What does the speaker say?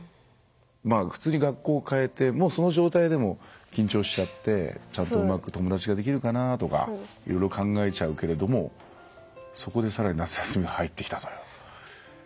普通に学校変えてもその状態でも緊張しちゃってちゃんとうまく友達ができるかなとかいろいろ考えちゃうけれどもそこでさらに夏休みが入ってきたと。